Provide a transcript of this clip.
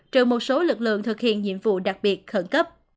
trừ một số lực lượng thực hiện nhiệm vụ đặc biệt khẩn cấp